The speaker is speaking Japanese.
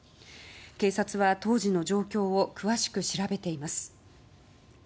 警察は当時の状況を詳しく調べています。